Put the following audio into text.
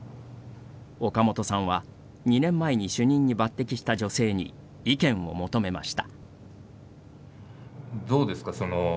岡本さんは、２年前に主任に抜てきした女性に意見を求めました。